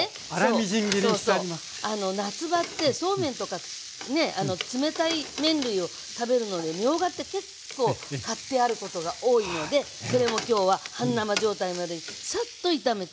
夏場ってそうめんとかね冷たい麺類を食べるのにみょうがって結構買ってあることが多いのでそれも今日は半生状態までサッと炒めてます。